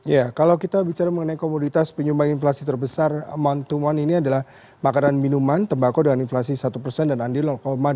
ya kalau kita bicara mengenai komoditas penyumbang inflasi terbesar month to month ini adalah makanan minuman tembako dengan inflasi satu dan andil dua puluh sembilan